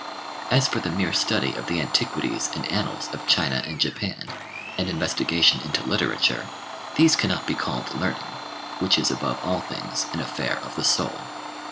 As for the mere study of the antiquities and annals of China and Japan, and investigation into literature, these cannot be called learning, which is above all things an affair of the soul.